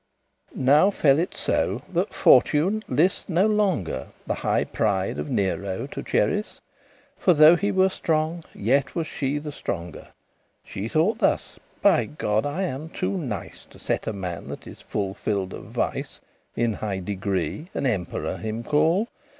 Now fell it so, that Fortune list no longer The highe pride of Nero to cherice;* *cherish For though he were strong, yet was she stronger. She thoughte thus; "By God, I am too nice* *foolish To set a man, that is full fill'd of vice, In high degree, and emperor him call!